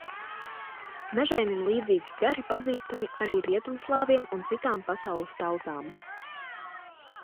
Mežainim līdzīgi gari pazīstami arī rietumslāviem un citām pasaules tautām.